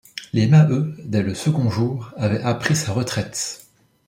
Les Maheu, dès le second jour, avaient appris sa retraite.